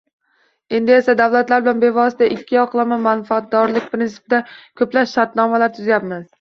Endi esa davlatlar bilan bevosita ikki yoqlama manfaatdorlik prinsipida koʻplab shartnomalar tuzyapmiz.